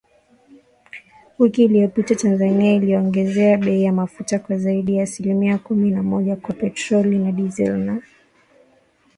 Wiki iliyopita, Tanzania iliongeza bei ya mafuta kwa zaidi ya asilimia kumi na moja kwa petroli na dizeli, na asilimia ishirini na moja kwa mafuta ya taa